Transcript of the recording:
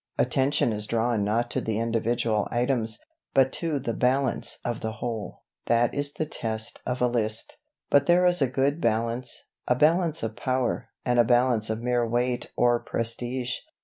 Attention is drawn not to the individual items, but to the balance of the whole. That is the test of a list. But there is a good balance, a balance of power, and a balance of mere weight or prestige.